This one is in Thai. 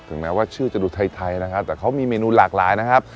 แม้ว่าชื่อจะดูไทยนะครับแต่เขามีเมนูหลากหลายนะครับ